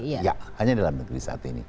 iya hanya di alam negeri saat ini